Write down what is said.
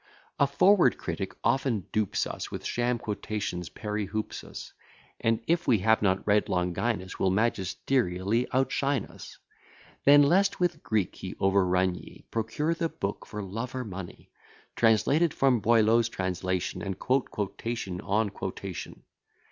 A forward critic often dupes us With sham quotations peri hupsous: And if we have not read Longinus, Will magisterially outshine us. Then, lest with Greek he overrun ye, Procure the book for love or money, Translated from Boileau's translation, And quote quotation on quotation.